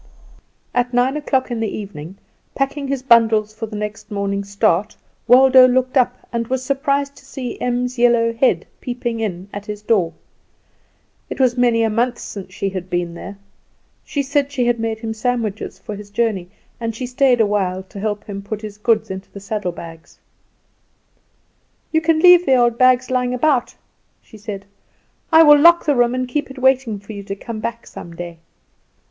At nine o'clock in the evening, packing his bundles for the next morning's start, Waldo looked up, and was surprised to see Em's yellow head peeping in at his door. It was many a month since she had been there. She said she had made him sandwiches for his journey, and she stayed a while to help him put his goods into the saddlebags. "You can leave the old things lying about," she said; "I will lock the room, and keep it waiting for you to come back some day."